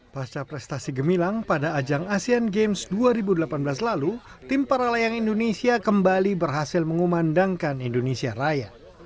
pasca prestasi gemilang pada ajang asean games dua ribu delapan belas lalu tim para layang indonesia kembali berhasil mengumandangkan indonesia raya